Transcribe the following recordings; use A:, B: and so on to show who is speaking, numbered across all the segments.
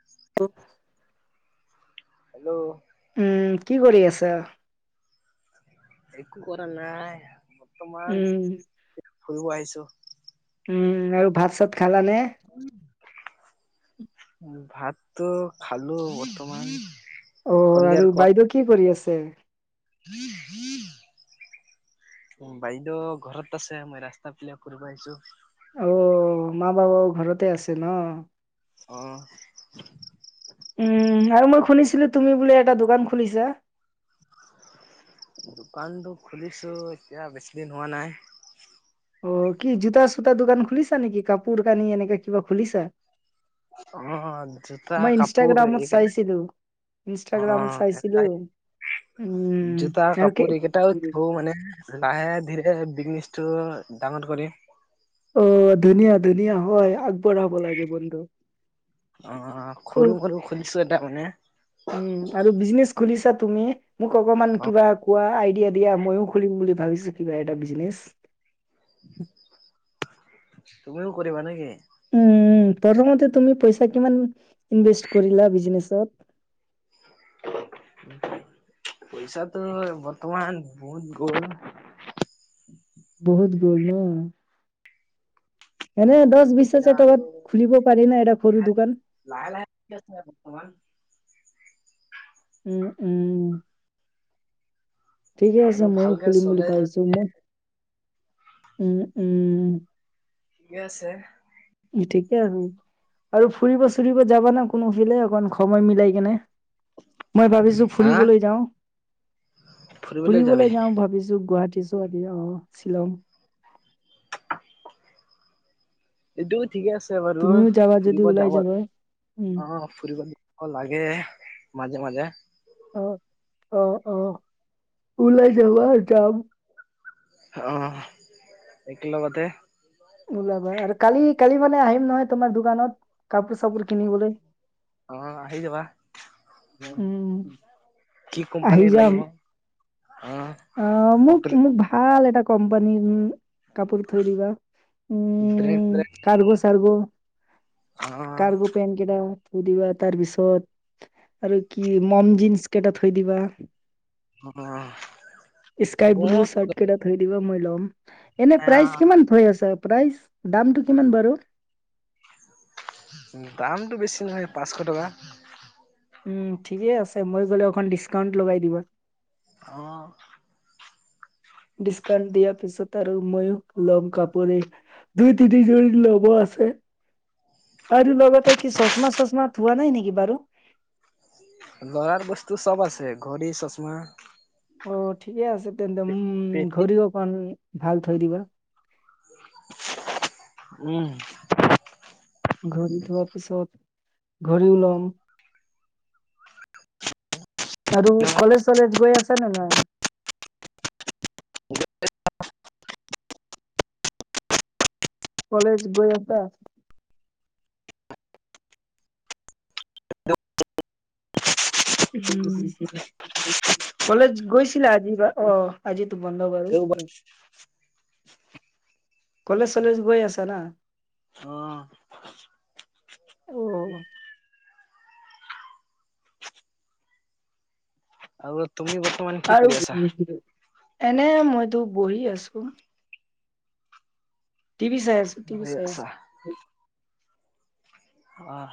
A: [unintelligible]
B: ত
A: hello
B: উম, কি কৰি আছা?
A: একো কৰা নাই বৰ্তমান
B: উম,
A: ফুৰিব আহিছো।
B: উম আৰু ভাত-চাত খালানে?
A: ভাতটো খালো বৰ্তমান
B: অ আৰু
A: সন্ধিয়াৰ
B: বাইদেউ কি কৰি আছে?
A: [unintelligible] উম বাইদেউ ঘৰত আছে মই পিনে ঘূৰিব আহিছো।
B: অ মা বাবা ঘৰতে আছে ন।
A: অ
B: উম আৰু মই শুনিছিলো তুমি বোলে এটা দোকান খুলিছা?
A: দোকানতো খুলিছো এতিয়া বেছি দিন হোৱা নাই।
B: অ কি জোতা-চোতা দোকান খুলিছা নেকি কাপোৰ কানি এনেকাে কিবা খুলিছা?
A: অ জোতা,
B: মই
A: কাপোৰ
B: ইনষ্টাগ্ৰামত
A: এইকেইটা
B: চাইছিলো,
A: অ
B: ইনষ্টাগ্ৰামত চাইছিলো।
A: সেনেকাই।
B: উম
A: জোতা,
B: আৰু কি
A: কাপোৰ এইকেইটাও থও মানে। লাহে ধীৰে বিজনেছটো ডাঙৰ কৰিম।
B: অ ধুনীয়া-ধুনীয়া হয়, আগবঢ়াব লাগে বন্ধু উ
A: নিশ্চয় তামানে
B: উম আৰু বিজনেছ খুলিছা তুমি মোক অকমান
A: অ
B: কিবা কোৱা আইডিয়া। এতিয়া, মইয়ো খুলিম বুলি ভাবিছো, কিবা এটা বিজনেচ।
A: তুমিও কৰিবা নেকি?
B: উম, প্ৰথমতে তুমি পইচা কিমান ইনভেষ্ট কৰিলা বিজনেচত?
A: পইচাটো, বৰ্তমান বহুত গ'ল।
B: বহুত গ'ল ন?
A: অ
B: এনে, দছ বিছ
A: এতিয়া
B: হাজাৰ
A: আৰু
B: টকাত খুলিব পাৰি নে, এটা সৰু দোকান?
A: লাহে-লাহে [unintelligible] বৰ্তমান।
B: উ, উ। ঠিকে আছে,
A: আৰু
B: মইয়ো
A: ভালকে
B: খুলিম বুলি
A: চলে
B: ভাবিছো
A: যদি
B: মোক, উ উম।
A: ঠিকে আছে।
B: এ ঠিকে আছে। আৰু ফুৰিব চুৰিব যাবা না কোনোফিলে, অকমান সময় মিলাই কেনে? মই ভাবিছো
A: হা
B: ফুৰিবলৈ যাওঁ। ফুৰিবলৈ যাওঁ ভাবিছো, গুৱাহাটীছ [unintelligible] অ শ্বিলং।
A: এইটো ঠিকে আছে বাৰু
B: তুমিও যাবা যদি
A: ফুৰিব
B: ওলাই
A: যাব।
B: যাবা উম।
A: অ। ফুৰিব লাগে, মাজে মাজে।
B: অ অ অ ওলাই যাবা, যাম।
A: অ একেলগতে।
B: ওলাবা আৰু কালি, কালি মানে আহিম নহয় তোমাৰ দোকানত কাপোৰ চাপোৰ কিনিবলৈ।
A: অ আহি যাবা
B: উম।
A: কি কোম্পানী লাগিব? অ।
B: অ মোক, মোক ভাল এটা কোম্পানীৰ, উ কাপোৰ থৈ দিবা।
A: ব্ৰেন
B: উম,
A: ব্ৰেন
B: কাৰ্গ চাৰ্গ।
A: অ
B: কাৰ্গ পেন কেইটা থৈ দিবা, তাৰ পিছত আৰু কি, মম জিন্ছ কেইটা থৈ দিবা।
A: অ
B: স্কাই ব্লু
A: বহুত
B: চাৰ্ট কেইটাত থৈ দিবা, মই ল'ম। এনে প্ৰাইচ কিমান থৈ আছে, প্ৰাইচ, দামটো কিমান বাৰু?
A: দামটো বেছি নহয়, পাঁচশ টকা।
B: উম, ঠিকে আছে। মই গ'লে, অকমান ডিছকাউণ্ট লগাই দিবা।
A: অ।
B: ডিছকাউন্ট দিয়াৰ পিছত আৰু মইয়ো ল'ম কাপোৰে। দুই তিনি যোৰ ল'ব আছে। আৰু লগতে কি, চচমা চচমা থোৱা নাই নেকি বাৰু?
A: লৰাৰ বস্তু চব আছে, ঘড়ী, চচমা।
B: অ ঠিকে আছে তেন্তে উম
A: পেটি
B: ঘড়ী অকান, ভাল থৈ দিবা।
A: উম।
B: ঘড়ী থোৱাৰ পিছত, ঘড়ীও লম। আৰু কলেজ চলেজ গৈ আছে নে নাই? কলেজ গৈ আছা? কলেজ গৈছিলা আজি বা, অহ আজিতো বন্ধ বাৰু।
A: তেওঁ অ
B: কলেজ চলেজ গৈ আছা না?
A: অ।
B: অ।
A: আও তুমি বৰ্তমান কি কৰি আছা?
B: আৰু এনে মইতো বহি আছোঁ। টিভি চাই আছোঁ।
A: এই আচ্ছা। অ'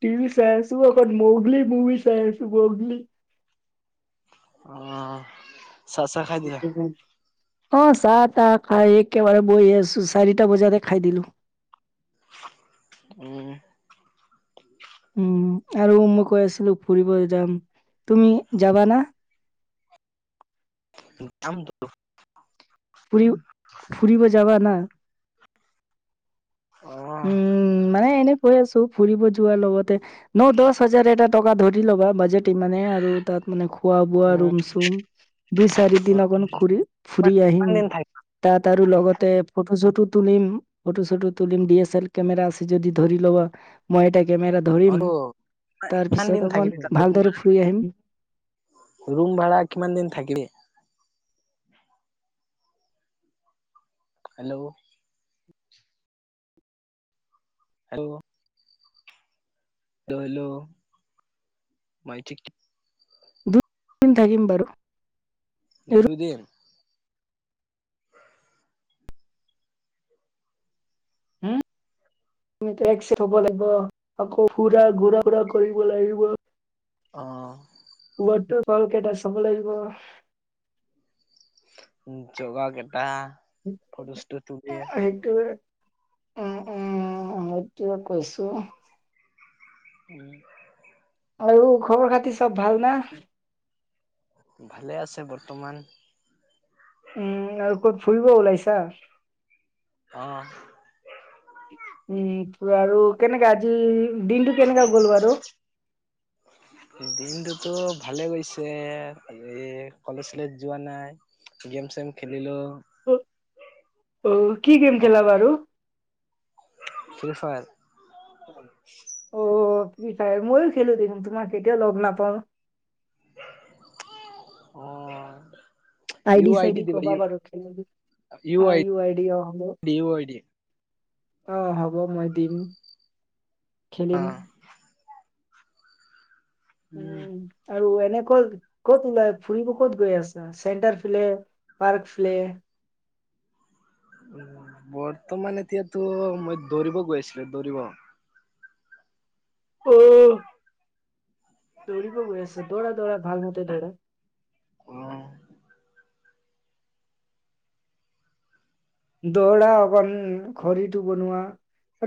B: টিভি চাই আছোঁ অকলে, ম'গলী মুভি চাই আছোঁ ম'গলী।
A: অ' চাহ চাহ খাই
B: উম,
A: দিলা?
B: উম। অ' চাহ তাহ খাই একেবাৰে বহি আছোঁ। চাৰিটা বজাতে খাই দিলো‌ঁ।
A: হ'ব দে।
B: উম, আৰু মই কৈ আছিলোঁ ফুৰিব যাম, তুমি যাবা না?
A: যাম টো
B: ফুৰি ফুৰিব যাবা না।
A: অ
B: উম, মানে এনে কৈ আছোঁ ফুৰিব যোৱাৰ লগতে ন দহ হাজাৰ এটা টকা ধৰি ল'বা বাজেট ইমানে আৰু তাত মানে খোৱা বোৱা
A: উম
B: ৰুম চুম দুই চাৰি দিন অকন ঘুৰি ফুৰি
A: কিমান
B: আহিম।
A: দিন থাকি
B: তাত আৰু লগতে ফটো চটো তুলিম। ফটো চটো তুলিম ডি এছ এল কেমেৰা আছে যদি ধৰি ল'বা। মই এটা কেমেৰা ধৰিম।
A: অটো
B: তাৰ
A: কিমান দিন
B: পিছত
A: থাকিবি
B: অকণ
A: তাত
B: ভালদৰে ফুৰি আহিম।
A: ৰুম ভাড়া কিমান দিন থাকিলে। হেল্ল' হেল্ল' হেল্ল' হেল্ল' মাইকঠিক
B: দুদিন থাকিম বাৰু
A: দুইদিন।
B: হ'ম একচেট হ'ব লাগিব। আকৌ ফুৰা ঘুৰা ফুৰা কৰিব লাগিব।
A: অ'
B: ওৱাটাৰ ফল কেইটা চাব লাগিব।
A: উম, যোগৰ কেইটা। ফটোচটো তুলি
B: হেইটোৰ উম, উম, মোক টোৱে কৈছোঁ।
A: উম।
B: আৰু খবৰ খাতি চ'ব ভাল না?
A: ভালে আছে বৰ্তমান।
B: উম, আৰু ক'ত ফুৰিব ওলাইছা?
A: অ'
B: উম, আৰু কেনেকা আজি দিনটো কেনেকা গ'ল বাৰু।
A: দিনটোতো ভালে গৈছে। এই কলেজ চলেজ যোৱা নাই। গেম চেম খেলিলোঁ।
B: অ' কি গেম
A: অ
B: খেলা বাৰু?
A: Free fire.
B: অ' ফ্ৰী ফায়াৰ মইয়ো খেলোঁ দেখোন। তোমাক কেতিয়াওঁ লগ নাপাওঁ।
A: [unintelligible] অহ'
B: আডি চাইডি ক'বা বাৰু খেলিবলৈ ইউ আডি হ'ব।
A: ডি ইউ আই ডি
B: অ হ'ব মই দিম,
A: অ
B: খেলিম। উম আৰু এনেকৈ ক'ত ক'ত ওলাই ফুৰিব ক'ত গৈ আছা চেণ্টাৰ ফিলে পাৰ্ক ফ্লে।
A: বৰ্তমান এতিয়াতো মই দৌৰিব গৈ আছিলো দৌৰিব।
B: অ, দৌৰিব গৈ আছো, দৌৰা দৌৰা ভালমতে দৌৰা।
A: অ।
B: দৌৰা অকণ খৰিটো বনোৱা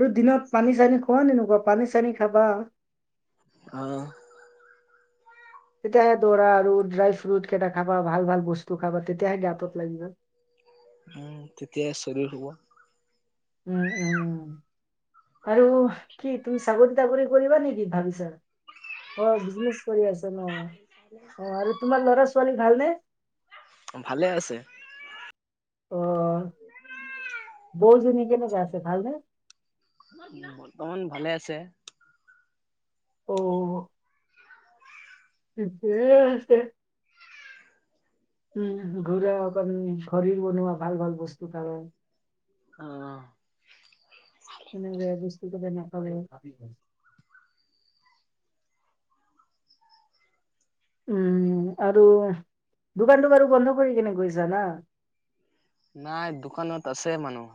B: আৰু দিনত পানী - চানী খোৱা নে নোখোৱা? পানী - চানি খাবা।
A: অ।
B: তেতিয়াহে দৌৰা আৰু ড্ৰাই ফ্ৰুট কেইটা খাবা ভাল ভাল বস্তু খাবা তেতিয়াহে গাতোত লাগিব।
A: উম তেতিয়া শৰীৰ হ'ব।
B: উম উম উম। আৰু কি তুমি চাকৰি - তাকৰি কৰিবা নেকি ভাবিছা? অ বিজনেচ কৰি আছা ন, অ আৰু তোমাৰ ল'ৰা - ছোৱালী ভালনে?
A: অ ভালে আছে।
B: অ, বৌজনী কেনেকে আছে ভাল নে?
A: বৰ্তমান ভালে আছে।
B: অ। ঠিকেই আছে। উম ঘূৰা অকণ, শৰীৰ বনোৱা ভাল ভাল বস্তু খাই।
A: অ।
B: এনে বেয়া বস্তুকেইটা নাখাবি [unintelligible] উম আৰু দোকানটো বাৰু বন্ধ কৰি কেনে গৈছা না?
A: নাই দোকানত আছে মানুহ।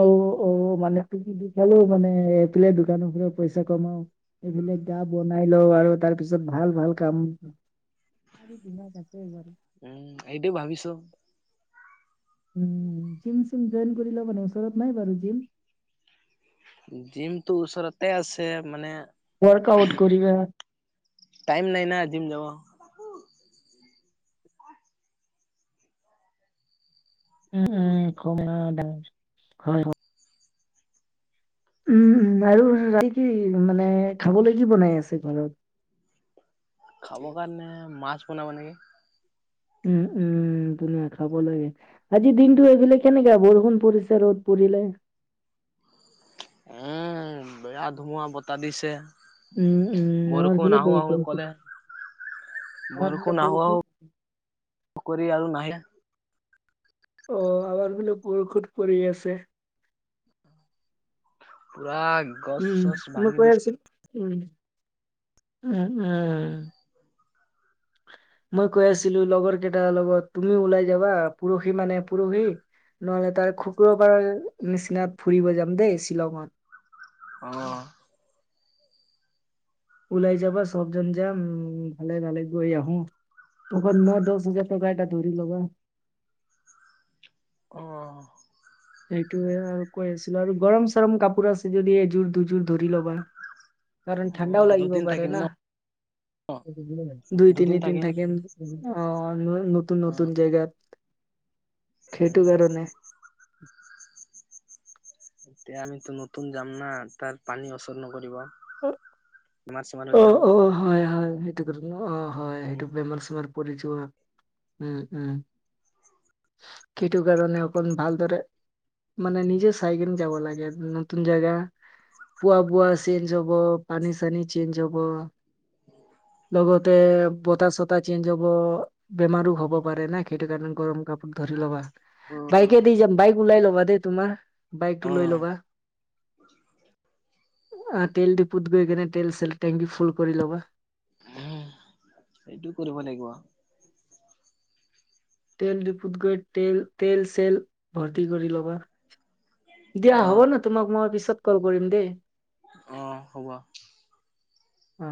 B: অ অ মানে তুমি দি খালো মানে এইফালে দোকানৰ পৰাও পইচা কামাও। এইবিলাক গা বনাই লওঁ আৰু তাৰ পিছত ভাল ভাল খাম। [unintelligible]
A: উম এইটোও ভাবিছো।
B: উম জিম চিম জইন কৰি ল মানে ওচৰত নাই বাৰু জিম?
A: জিমটো ওচৰতে আছে মানে
B: ৱৰ্কআউট কৰিবা।
A: টাইম নাই না জিম যাব।
B: উম উম [unintelligible] উম উম আৰু ৰাতি কি মানে খাবলৈ কি বনাই আছে ঘৰত?
A: খাবৰ কাৰণে মাছ বনাব নেকি?
B: উম উম ধুনীয়া খাব লাগে। আজি দিনটো সেইফালে কেনেকা গ'ল? বৰষুণ পৰিছে ৰ'দ পৰিলে।
A: উম, বেয়া ধুমুহা বতাহ দিছে।
B: উম উম, আমাৰ
A: বৰষুণ
B: ইফালেও
A: আহো আহো
B: বৰষুণ
A: ক'লে
B: দিছিলে। [unintelligible]
A: আহো
B: বৰষুণ।
A: আহো [unintelligible] আৰু নাই
B: অ আমাৰ ইফালে বৰষুণ পৰি আছে।
A: পুৰা গছ
B: উম,
A: চছ
B: মই
A: ভাঙি
B: কৈ
A: দিছে
B: আছো, উম উম উম। মই কৈ আছিলো লগৰকেইটাৰ লগত তুমিও ওলাই যাবা পৰহি মানে পৰহি। নহ'লে তাৰ শুকুৰবাৰৰ নিচিনাত ফুৰিব যাম দেই শ্বিলঙত
A: অ।
B: ওলাই যাবা চবজন যাম উম ভালে ভালে গৈ আহো লগত ন দহ হাজাৰ টকাত এটা ধৰি লবা।
A: অ
B: সেইটোয়ে আৰু কৈ আছিলো আৰু গৰম চৰম কাপোৰ আছে যদি এযোৰ দুযোৰ ধৰি ল'বা কাৰণ
A: অ
B: ঠাণ্ডাও লাগিব
A: দুদিন
B: পাৰে
A: থাকিম
B: না
A: ন
B: দুই তিনিদিন থাকিম অ নতুন
A: অ
B: নতুন জেগাত সেইটো কাৰণে
A: এতিয়া আমিতো নতুন যাম না তাৰ পানী অচৰ নকৰিব বেমাৰ চেমাৰ হৈ
B: অ'
A: যাম
B: অ হয় হয় হয়। অ হয় সেইটো বেমাৰ চেমাৰ পৰি যোৱা উম উম সেইটো কাৰণে অকণ ভালদৰে মানে নিজে চাইকিনে যাব লাগে নতুন জেগা পোৱা বোৱা চেঞ্জ হব পানী চানী চেঞ্জ হ'ব লগতে বতাহ চতাহ চেঞ্জ হ'ব। বেমাৰো হব পাৰে না সেইটো কাৰণে গৰম কাপোৰ ধৰি ল'বা বাইকে দি
A: উম
B: যাম বাইক ওলাই ল'বা দেই তোমাৰ
A: অ
B: বাইকটো লৈ ল'বা। আহ তেল দিফুত গৈ কেনে তেল চেল টেংকি ফুল কৰি ল'বা
A: উম সেইটো কৰিব লাগিব।
B: তেল ডিফুত গৈ তেল চেল ভৰ্তি কৰি ল'বা। দিয়া
A: অ
B: হ'ব ন তোমাক মই পিছত কল কৰিম দেই।
A: অঁ হ'ব।
B: অ